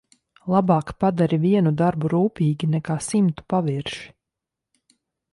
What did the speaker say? Labāk padari vienu darbu rūpīgi nekā simtu pavirši.